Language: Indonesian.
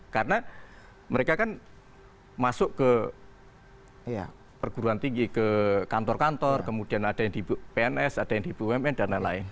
karena mereka kan masuk ke perguruan tinggi ke kantor kantor kemudian ada yang di pns ada yang di bumn dan lain lain